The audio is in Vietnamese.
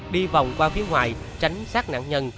đi vòng qua phía ngoài tránh sát nạn nhân